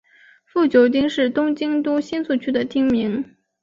富久町是东京都新宿区的町名。